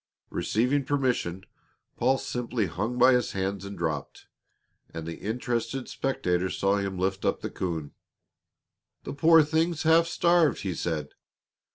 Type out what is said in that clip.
Receiving permission, Paul simply hung by his hands and dropped, and the interested spectators saw him lift up the coon. "The poor thing's half starved," he said.